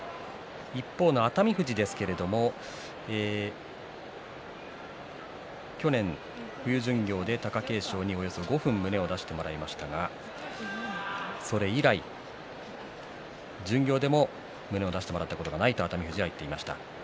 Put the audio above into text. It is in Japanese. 一方の熱海富士ですが去年、冬巡業で貴景勝におよそ５分胸を出してもらいましたがそれ以来、巡業でも胸を出してもらったことがないと熱海富士は言っていました。